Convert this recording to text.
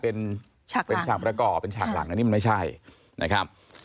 เป็นฉากหลังเป็นฉากหลังนะนี่มันไม่ใช่นะครับ